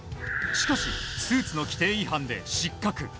しかし、スーツの規定違反で失格。